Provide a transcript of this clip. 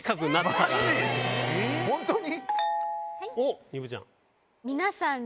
本当に？